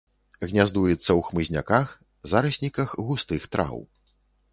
Гняздуецца ў хмызняках, зарасніках густых траў.